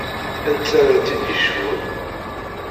Anta ara t-id-yecbun?